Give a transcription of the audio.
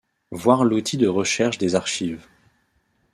Voir l'outil de recherche des archives.